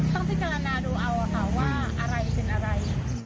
ต้องพิจารณาดูเอาค่ะว่าอะไรเป็นอะไร